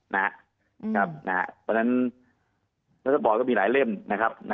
เพราะฉะนั้นนักสปอร์ตก็มีหลายเล่มนะครับ